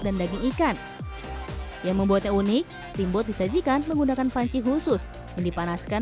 dan daging ikan yang membuatnya unik timbot disajikan menggunakan panci khusus dipanaskan